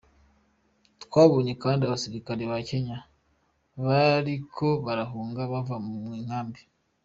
Twabonye kandi abasirikare ba Kenya bariko barahunga bava mw’ikambi.